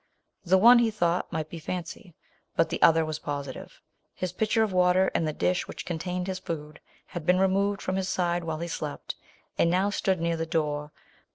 The one, he thought, might be fancy; but the other, was positive. His pitcher of water, and the dish which contained his food, had been removed from his side while he slept, and now stood_ near the door.